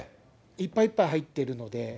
いっぱいいっぱい入ってるので。